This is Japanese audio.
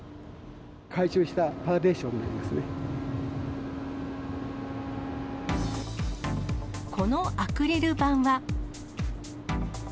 回収したパーティションになこのアクリル板は。